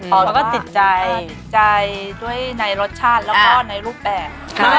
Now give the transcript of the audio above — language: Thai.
มันต้องติดใจด้วยในรสชาติและและในรูปแบบ